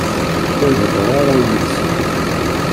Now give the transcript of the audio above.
Ur heddeṛ ara yid-sen.